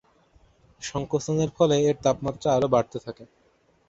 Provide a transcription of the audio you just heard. সংকোচনের ফলে এর তাপমাত্রা আরো বাড়তে থাকে।